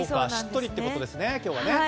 しっとりってことですね今日は。